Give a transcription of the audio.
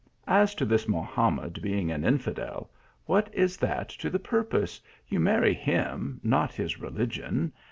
As to this Mohamed being an infidel what is that to the purpose ? You marry him not his religion.